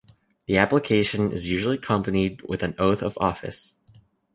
The application is usually accompanied with an oath of office.